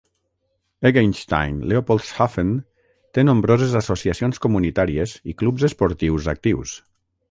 Eggenstein-Leopoldshafen té nombroses associacions comunitàries i clubs esportius actius.